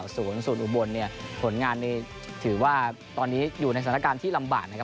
ศูนย์อุบลเนี่ยผลงานนี้ถือว่าตอนนี้อยู่ในสถานการณ์ที่ลำบากนะครับ